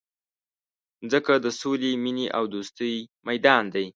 مځکه د سولي، مینې او دوستۍ میدان دی.